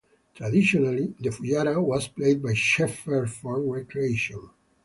Traditionally, the fujara was played by shepherds for recreation.